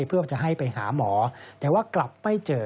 เพื่อจะให้ไปหาหมอแต่ว่ากลับไม่เจอ